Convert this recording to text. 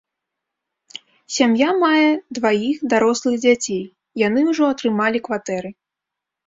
Сям'я мае дваіх дарослых дзяцей, яны ўжо атрымалі кватэры.